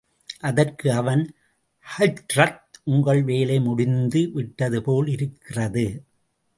அதற்கு அவன் ஹஜ்ரத், உங்கள் வேலை முடிந்து விட்டது போல் இருககிறது.